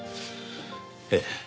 ええ。